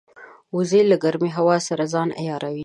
وزې له ګرمې هوا سره ځان عیاروي